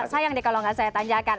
sayang deh kalau nggak saya tanyakan